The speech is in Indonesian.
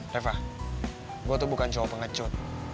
reva gue tuh bukan cowok pengecut